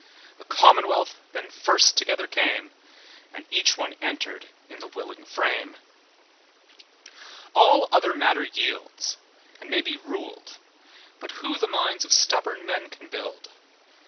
The Commonwealth then first together came, And each one entered in the willing frame; All other matter yields, and may be ruled; But who the minds of stubborn men can build?